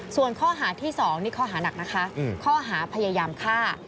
ส่วนข้อหาที่๒นี่ข้อหานักนะคะข้อหาพยายามฆ่า